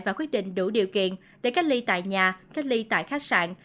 và quyết định đủ điều kiện để cách ly tại nhà cách ly tại khách sạn